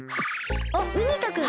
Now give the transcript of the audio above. あっウニ太くん。